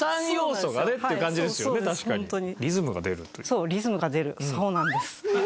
そうリズムが出るそうなんです。